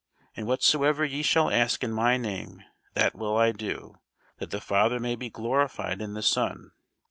And whatsoever ye shall ask in my name, that will I do, that the Father may be glorified in the Son.